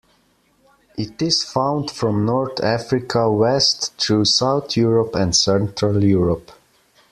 It is found from North Africa west through South Europe and Central Europe.